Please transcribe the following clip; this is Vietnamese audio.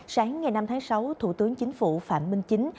sáng ngày năm tháng sáu thủ tướng chính phủ phạm minh chính